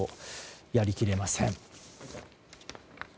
やり切れません。